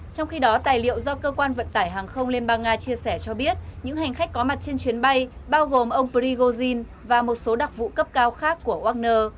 trong khi đó tài liệu do cơ quan vận tải hàng không liên bang nga chia sẻ cho biết những hành khách có mặt trên chuyến bay bao gồm ông prigozhin và một số đặc vụ cấp cao khác của wagner